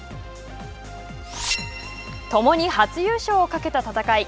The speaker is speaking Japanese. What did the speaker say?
ともに初優勝をかけた戦い。